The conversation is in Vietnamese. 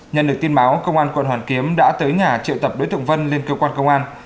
nhận được tin báo công an quận hoàn kiếm đã tới nhà triệu tập đối tượng vân lên cơ quan công an